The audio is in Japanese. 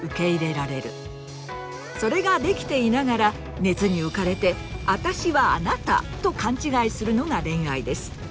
それができていながら熱に浮かれて“あたしはあなた”と勘違いするのが恋愛です。